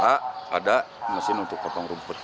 ada mesin untuk potong rumput